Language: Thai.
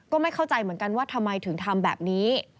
ก็ไม่เข้าใจเหมือนกันว่าทำไมถึงทำแบบนี้